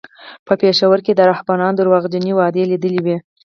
په پېښور کې یې د رهبرانو درواغجنې وعدې لیدلې وې.